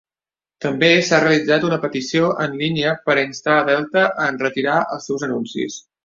També s'ha realitzat una petició en línia per a instar a Delta a enretirar els seus anuncis.